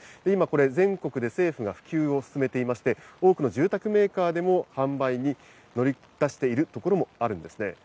今、これ全国で政府が普及を進めていまして、多くの住宅メーカーでも販売に乗り出している所もあるんですね。